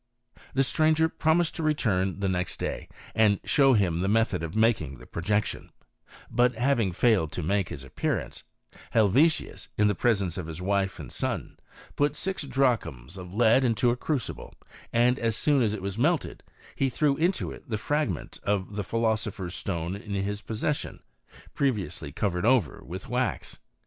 The stranger promised to return next day, and show him the method of making the projection ; but having failed to make his appearance, Helvetius, in the presence of his wife and son, put six drachms of lead into a crucible, and as soon as it was melted he threw into it the fragment of philosopher's stone in his possession, previously covered over with wax.